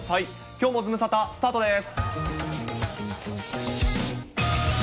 きょうもズムサタ、スタートです。